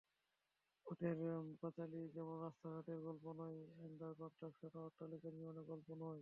পথের পাঁচালী যেমন রাস্তা-ঘাটের গল্প নয়, আন্ডার কনস্ট্রাকশনও অট্টালিকা নির্মাণের গল্প নয়।